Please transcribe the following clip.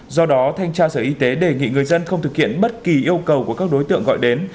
do đó thanh tra sở y tế đề nghị người dân không thực hiện bất kỳ yêu cầu của các đối tượng gọi đến